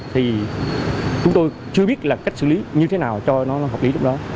thì chúng tôi chưa biết là cách xử lý như thế nào cho nó hợp lý lúc đó